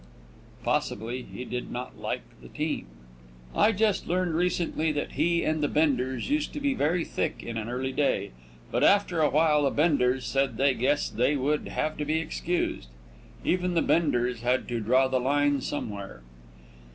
Possibly he did not like the team. I just learned recently that he and the Benders used to be very thick in an early day, but after awhile the Benders said they guessed they would have to be excused. Even the Benders had to draw the line somewhere.